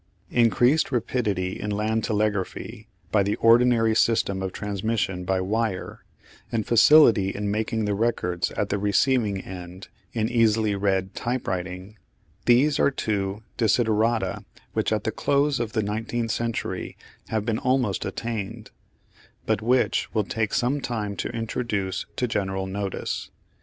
Increased rapidity in land telegraphy by the ordinary system of transmission by wire, and facility in making the records at the receiving end in easily read typewriting these are two desiderata which at the close of the nineteenth century have been almost attained, but which will take some time to introduce to general notice.